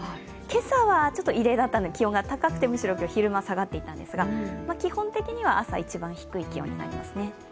今朝は異例だったので気温が高くて、むしろ今日、昼間下がっていったんですが、基本的には朝、一番低い気温になりますね。